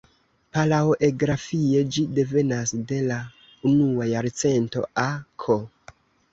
Palaoegrafie ĝi devenas de la unua jarcento a.K.